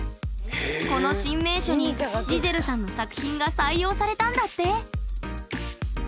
この新名所にジゼルさんの作品が採用されたんだって！